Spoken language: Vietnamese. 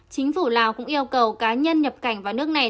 chính phủ lào cũng yêu cầu cá nhân nhập cảnh vào nước này